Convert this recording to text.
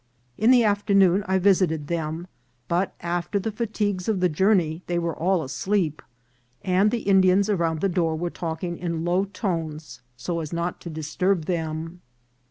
In the afternoon I visited them, but after the fatigues of the journey they were all asleep, and the Indians around the door were talking in low tones so as not to disturb them.